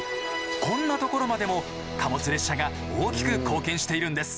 こんな所までも貨物列車が大きく貢献しているんです。